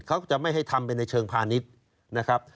เขาก็จะไม่ให้ทำไปในเชิงพาณิชย์นะครับ